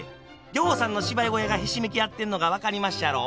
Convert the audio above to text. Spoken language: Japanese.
ぎょうさんの芝居小屋がひしめき合ってんのが分かりまっしゃろ？